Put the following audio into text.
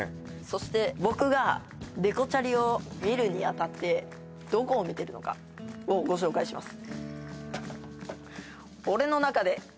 そして僕がデコチャリを見るにあたってどこを見てるのかをご紹介します